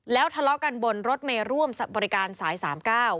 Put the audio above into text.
แล้วทะเลาะกันบนรถเมย์ร่วมบริการสายสามเก้า